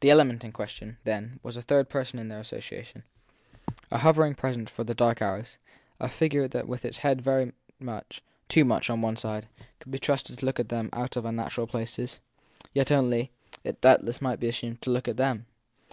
The element in question, then, was a third person in their association, a hovering presence for the dark hours, a figure that with its head very much too much on one side, could be trusted to look at them out of unnatural places ; yet only, it doubtless might be assumed, to look at them.